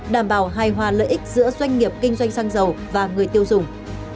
đảm bảo hài hòa lợi ích giữa doanh nghiệp kinh doanh xăng dầu và người tiêu dùng